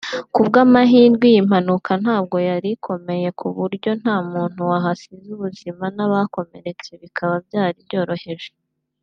Ku bw’amahirwe iyi mpanuka ntabwo yari ikomeye kuburyo nta muntu wahasize ubuzima n’abakomeretse bikaba byari byoroheje